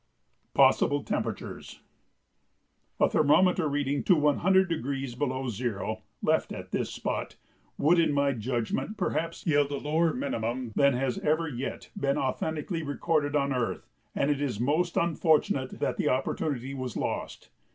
[Sidenote: Possible Temperatures] A thermometer reading to 100° below zero, left at this spot, would, in my judgment, perhaps yield a lower minimum than has ever yet been authentically recorded on earth, and it is most unfortunate that the opportunity was lost.